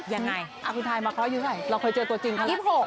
ยังไงคุณไทยมาขออยู่ให้เราเคยเจอตัวจริงเขาล่ะ